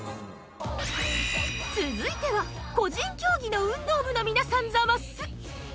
続いては個人競技の運動部の皆さんザマス。